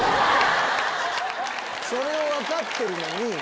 それを分かってるのに。